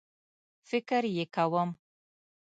فکر یې کوم